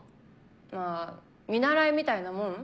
まあ見習いみたいなもん？